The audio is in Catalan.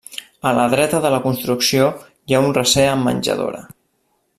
A la dreta de la construcció hi ha un recer amb menjadora.